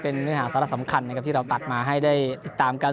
เป็นเองหาสารสำคัญเวลาที่เราตัดมาให้ได้ติดตามกัน